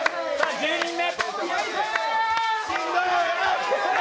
１０人目。